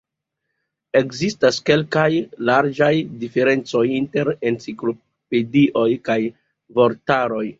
Ekzistas kelkaj larĝaj diferencoj inter enciklopedioj kaj vortaroj.